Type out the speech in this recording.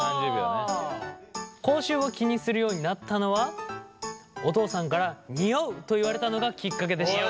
口臭を気にするようになったのはお父さんから「ニオう！」と言われたのがきっかけでした。